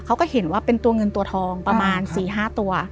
เขาก็เห็นว่าเป็นตัวเงินตัวทองประมาณ๔๕ตัว